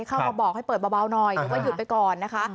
เข้ามาบอกให้เปิดเบาหน่อยหรือว่าหยุดไปก่อนนะคะ